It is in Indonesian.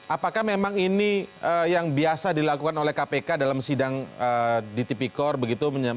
apakah memang ini yang biasa dilakukan oleh kpk dalam sidang di tipi kor begitu menyediakan atau apa istilahnya men standby kan dokter begitu di pengadilan